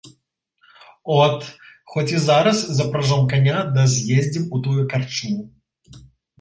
От, хоць і зараз, запражом каня да з'ездзім у тую карчму.